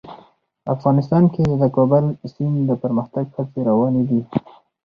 افغانستان کې د د کابل سیند د پرمختګ هڅې روانې دي.